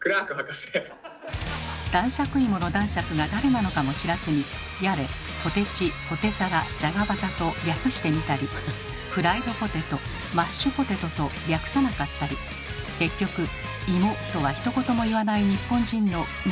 男爵いもの男爵が誰なのかも知らずにやれ「ポテチ」「ポテサラ」「じゃがバタ」と略してみたり「フライドポテト」「マッシュポテト」と略さなかったり結局「いも」とはひと言も言わない日本人のなんと多いことか。